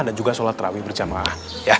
dan juga sholat rawi berjamah